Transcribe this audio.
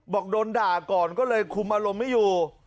บอกโดนด่าก่อนก็เลยคุมอารมณ์ไม่อยู่